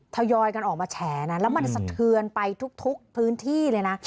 ทยอยกันออกมาแฉนะแล้วมันสะเทือนไปทุกพื้นที่เลยนะ